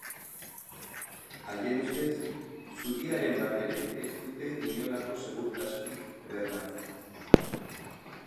Haien ustez, zubiaren barrerek ez dute inolako segurtasunik bermatzen.